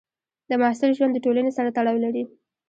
د محصل ژوند د ټولنې سره تړاو لري.